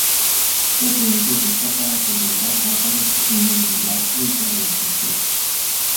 Zweig predica para que Europa salga de su inmovilidad frente a la destrucción.